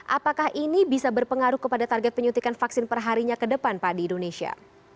apakah ini bisa berpengaruh kepada target penyuntikan vaksin perharinya ke depan pak di indonesia